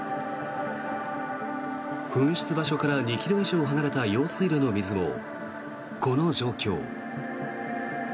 噴出場所から２ｋｍ以上離れた用水路の水もこの状況。